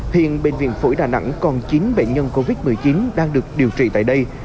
hiện bệnh viện phổi đà nẵng còn chín bệnh nhân covid một mươi chín đang được điều trị tại đây